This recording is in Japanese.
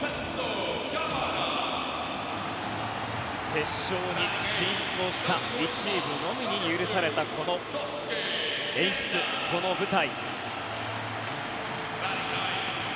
決勝に進出した２チームのみに許されたこの演出、この舞台。